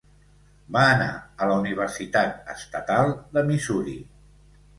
Va anar a la Universitat Estatal de Missouri.